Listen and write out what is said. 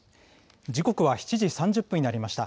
時刻は７時３０分になりました。